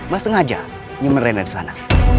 mas tengah aja nyemen reina di sana